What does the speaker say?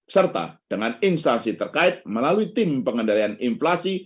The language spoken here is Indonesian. serta dengan instansi terkait melalui tim pengendalian inflasi